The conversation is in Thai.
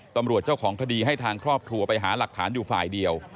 เจ้าของคดีให้ทางครอบครัวไปหาหลักฐานอยู่ฝ่ายเดียว